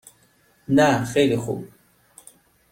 نه خیلی خوب.